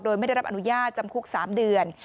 โดยไม่ได้รับอนุญาตจำคุก๓เดือน